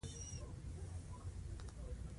او نه چا ورته په قرض ورکړې.